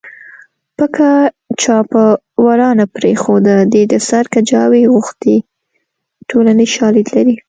پکه چا په ورا نه پرېښوده دې د سر کجاوې غوښتې ټولنیز شالید لري